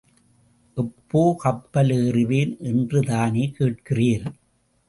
எப்போ கப்பல் ஏறுவேன் என்று தானே கேட்கிறீர்?